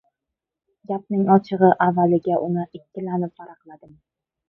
Gapning ochig‘i, avvaliga uni ikkilanib varaqladim.